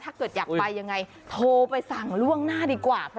ถ้าเกิดอยากไปยังไงโทรไปสั่งล่วงหน้าดีกว่า